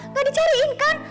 gak dicariin kan